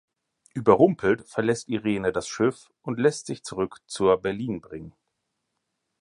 Überrumpelt verlässt Irene das Schiff und lässt sich zurück zur "Berlin" bringen.